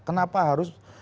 kenapa harus ahy ditolak